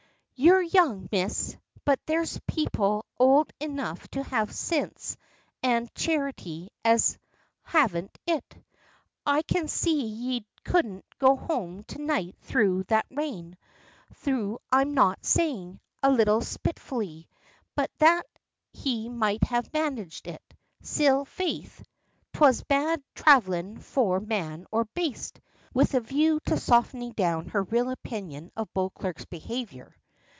"You're young, Miss. But there's people ould enough to have sinse an' charity as haven't it. I can see ye couldn't get home to night through that rain, though I'm not sayin'" a little spitefully "but that he might have managed it. Still, faith, 'twas bad thravellin' for man or baste," with a view to softening down her real opinion of Beauclerk's behavior.